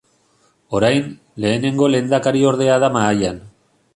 Orain, Lehenengo lehendakariordea da mahaian.